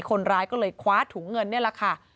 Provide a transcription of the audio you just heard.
คนร้ายก็เลยคว้าถุงเงินนี่แหละค่ะ